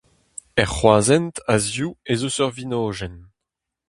Er c'hroashent, a-zehoù, ez eus ur vinojenn.